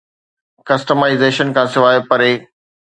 customisation کان سواء پري